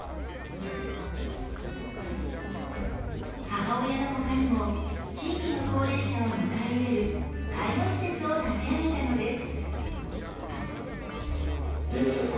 母親のほかにも地域の高齢者を迎え入れる介護施設を立ち上げたのです。